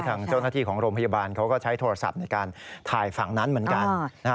ทางเจ้าหน้าที่ของโรงพยาบาลเขาก็ใช้โทรศัพท์ในการถ่ายฝั่งนั้นเหมือนกัน